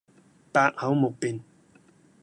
百口莫辯